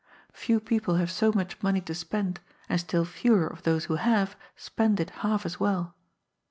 Few people have so much money to spend, and still fewer of those who have spend it half as well.